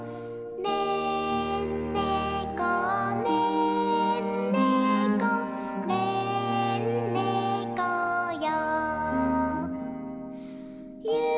「ねんねこねんねこねんねこよ」